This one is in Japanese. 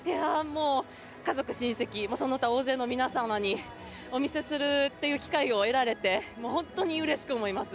家族、親戚その他大勢の皆様にお見せするっていう機会を得られて本当にうれしく思います。